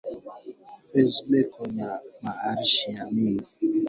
Baze beko na ma arishi ya mingi